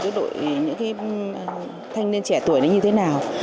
với đội những thanh niên trẻ tuổi như thế nào